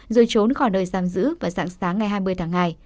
rồi trốn khỏi nơi giam giữ và sẵn sáng ngày hai mươi tháng hai